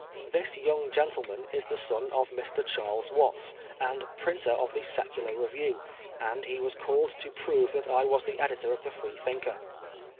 This young gentleman is the son of Mr. Charles Watts and printer of the Secular Meview, and he was called to prove that I was the editor of the Freethinker.